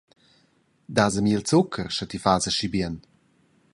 Das a mi il zucher, sche ti fas aschi bien.